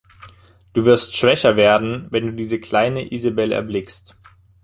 Du wirst schwächer werden, wenn du diese kleine Isebel erblickst!